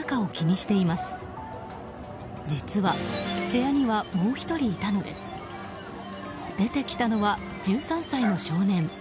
出てきたのは１３歳の少年。